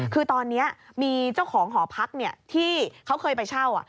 คือตอนนี้มีเจ้าของหอพักที่เขาเคยไปเช่า